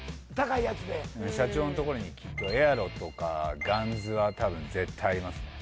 うん社長のところにきっとエアロとかガンズはたぶん絶対ありますね